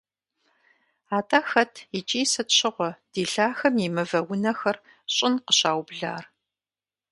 АтIэ хэт икIи сыт щыгъуэ ди лъахэм и мывэ унэхэр щIын къыщаублар?